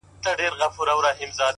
خپل مسیر په باور وټاکئ!